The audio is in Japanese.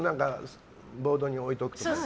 ボードに置いておくような。